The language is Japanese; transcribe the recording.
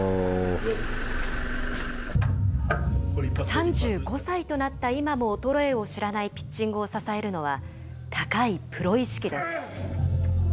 ３５歳となった今も衰えを知らないピッチングを支えるのは、高いプロ意識です。